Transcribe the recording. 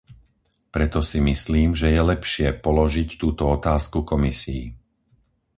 Preto si myslím, že je lepšie položiť túto otázku Komisii.